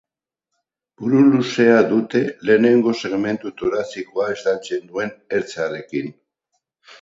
Buru luzea dute, lehenengo segmentu torazikoa estaltzen duen ertzarekin.